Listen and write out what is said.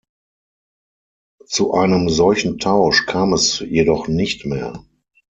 Zu einem solchen Tausch kam es jedoch nicht mehr.